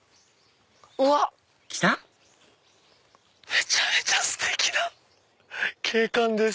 めちゃめちゃステキな景観です！